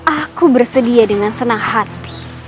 aku bersedia dengan senang hati